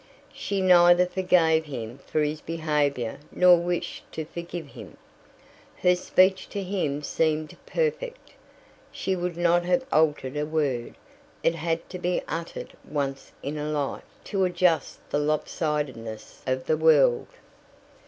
She neither forgave him for his behaviour nor wished to forgive him. Her speech to him seemed perfect. She would not have altered a word. It had to be uttered once in a life, to adjust the lopsidedness of the world.